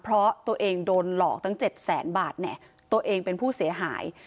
เพราะตัวเองโดนหลอกตั้งเจ็ดแสนบาทเนี่ยตัวเองเป็นผู้เสียหาย